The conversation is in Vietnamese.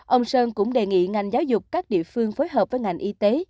ông sơn cũng đề nghị ngành giáo dục các địa phương phối hợp với ngành y tế